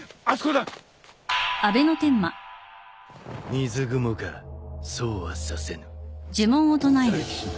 水雲かそうはさせぬ。